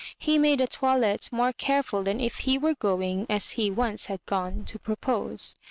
He made a toilette more careful than if he were going, as he once had gone, to propose.